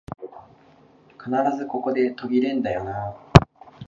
必ずここで途切れんだよなあ